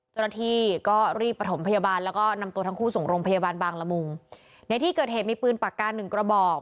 เจ้าหน้าที่ก็รีบประถมพยาบาลแล้วก็นำตัวทั้งคู่ส่งโรงพยาบาลบางละมุงในที่เกิดเหตุมีปืนปากกาหนึ่งกระบอก